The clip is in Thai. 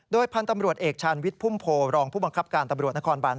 พันธุ์ตำรวจเอกชาญวิทย์พุ่มโพรองผู้บังคับการตำรวจนครบาน